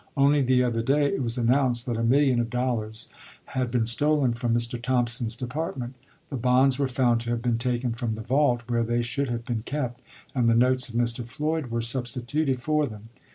Only the other day it was announced that a million of dollars had been stolen from Mr. Thompson's department. The bonds were found to have been taken from the vault where they should have been kept, and the notes of Mr. Floyd were substituted for them.